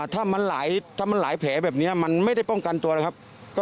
ถ้ามันหลายแผลแบบนี้มันไม่ได้ป้องกันตัวนะครับ